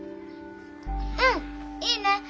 うんいいね。